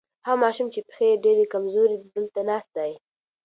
هغه ماشوم چې پښې یې ډېرې کمزورې دي دلته ناست دی.